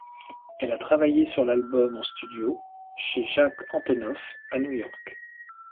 Elle a travaillé sur l'album en studio chez Jack Antonoff à New York.